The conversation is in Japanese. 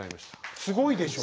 すごいでしょ。